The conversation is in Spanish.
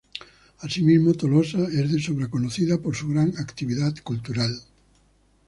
Asimismo, Tolosa es de sobra conocida por su gran actividad cultural.